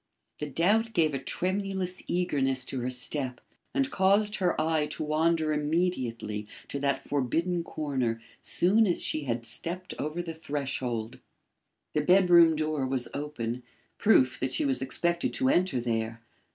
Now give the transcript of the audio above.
The doubt gave a tremulous eagerness to her step and caused her eye to wander immediately to that forbidden corner soon as she had stepped over the threshold. The bedroom door was open; proof that she was expected to enter there.